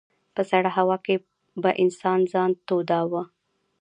په سړه هوا کې به انسان ځان توداوه.